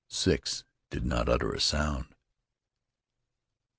Six did not utter a sound.